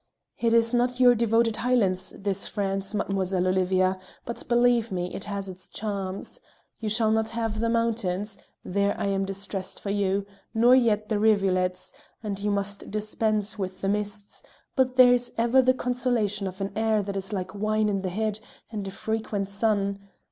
It is not your devoted Highlands, this France, Mademoiselle Olivia, but believe me, it has its charms. You shall not have the mountains there I am distressed for you nor yet the rivulets; and you must dispense with the mists; but there is ever the consolation of an air that is like wine in the head, and a frequent sun.